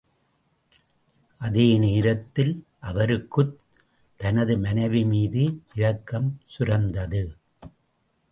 அதே நேரத்தில், அவருக்குத் தனது மனைவி மீது இரக்கம் சுரந்தது.